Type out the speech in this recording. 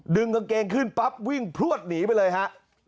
ดึงกางเกงขึ้นปั๊บวิ่งพลวดหนีไปเลยฮะ